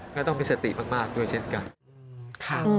ก็ต้องมีสติมากด้วยเช่นกัน